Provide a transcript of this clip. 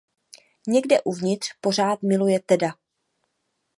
Někde uvnitř pořád miluje Teda.